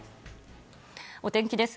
お天気です。